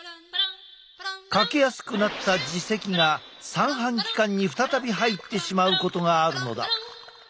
欠けやすくなった耳石が三半規管に再び入ってしまうことがあるのだ。